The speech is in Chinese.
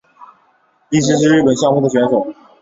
力士是日本相扑的选手。